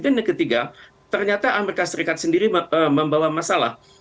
yang ketiga ternyata amerika serikat sendiri membawa masalah